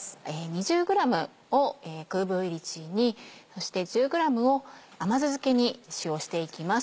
２０ｇをクーブイリチーにそして１０ｇを甘酢漬けに使用していきます。